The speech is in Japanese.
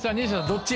どっち？